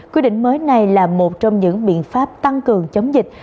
quy định mới này là một trong những biện pháp tăng cường chống dịch